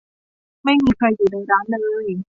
ไม่มีใครอยู่ในร้านเลย